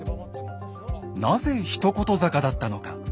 なぜ一言坂だったのか。